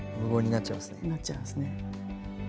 なっちゃいますね。